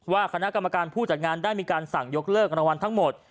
คณะกรรมการผู้จัดงานได้มีการสั่งยกเลิกรางวัลทั้งหมด